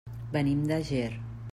Venim de Ger.